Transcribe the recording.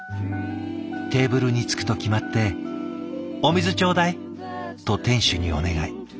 テーブルにつくと決まって「お水頂戴！」と店主にお願い。